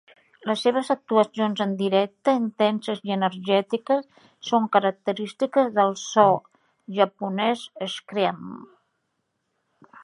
Les seves actuacions en directe intenses i energètiques són característiques del so japonès "screamo".